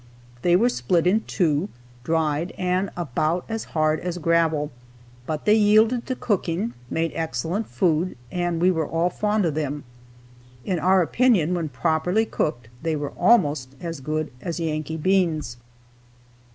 They were split in two, dried, and about as hard as gravel. But they yielded to cooking, made excellent food, and we were all fond of them. In our opinion, when properly cooked, they were almost as good as Yankee beans.